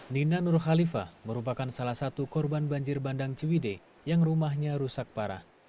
nina nur khalifah merupakan salah satu korban banjir bandang ciwide yang rumahnya rusak parah